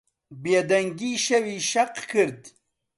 بێدەنگیی شەوی شەق کرد.